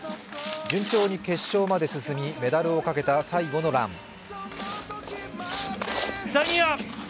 順調に決勝まで進み、メダルをかけた最後のラン。